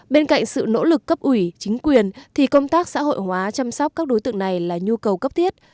bên cạnh sự nỗ lực cấp ủy chính quyền thì công tác xã hội hóa chăm sóc các đối tượng này là nhu cầu cấp thiết